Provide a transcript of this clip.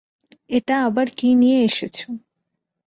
এটা আবার কি নিয়ে এসেছো?